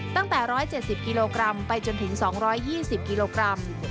ตั้งแต่๑๗๐กิโลกรัมไปจนถึง๒๒๐กิโลกรัม